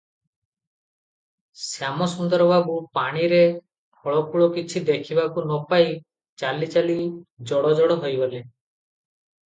ଶ୍ୟାମସୁନ୍ଦର ବାବୁ ପାଣିରେ ଥଳକୂଳ କିଛି ଦେଖିବାକୁ ନ ପାଇ ଚାଲିଚାଲି ଜଡ଼ଜଡ଼ ହୋଇଗଲେ ।